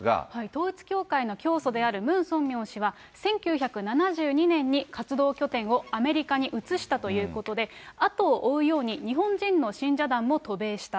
統一教会の教祖であるムン・ソンミョン氏は、１９７２年に活動拠点をアメリカに移したということで、あとを追うように、日本人の信者団も渡米した。